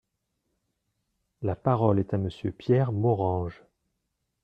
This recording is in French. La parole est à Monsieur Pierre Morange.